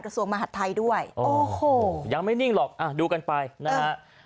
ส่วนมหัฐไทยด้วยโอ้โหยังไม่นิ่งหรอกดูกันไปนะฮะ